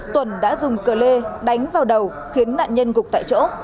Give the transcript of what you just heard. tùng đã dùng cờ lê đánh vào đầu khiến nạn nhân gục tại chỗ